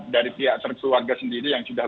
dari pihak keluarga sendiri yang sudah